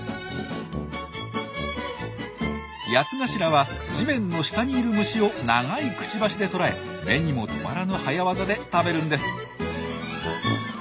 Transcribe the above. ヤツガシラは地面の下にいる虫を長いくちばしで捕らえ目にも留まらぬ早業で食べるんです。